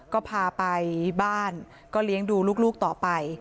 ก็พาไปบ้านก็เลี้ยงดูลูกต่อไป